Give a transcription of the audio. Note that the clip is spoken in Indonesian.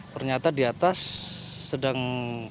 pernyata di atas sedang